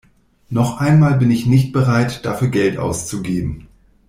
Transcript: Noch einmal bin ich nicht bereit, dafür Geld auszugeben.